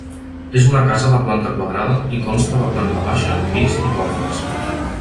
És una casa de planta quadrada i consta de planta baixa, pis i golfes.